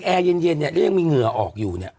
แอร์เย็นเนี่ยแล้วยังมีเหงื่อออกอยู่เนี่ย